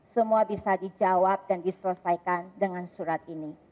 semua bisa dijawab dan diselesaikan dengan surat ini